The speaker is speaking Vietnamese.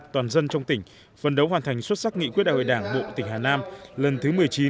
toàn dân trong tỉnh phân đấu hoàn thành xuất sắc nghị quyết đại hội đảng bộ tỉnh hà nam lần thứ một mươi chín